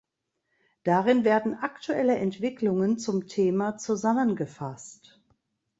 Darin werden aktuelle Entwicklungen zum Thema zusammengefasst.